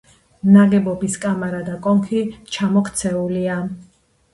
ნაგებობის კამარა და კონქი ჩამოქცეულია.